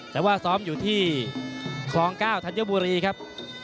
แต่ว่าซ้อมอยู่ที่คลอง๙ธัญบุรีครับ